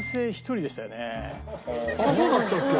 そうだったっけ？